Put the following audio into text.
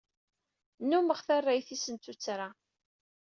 Nnummeɣ tarrayt-is n tuttra.